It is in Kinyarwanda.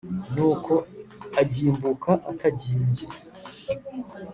Nuko agimbuka atagimbye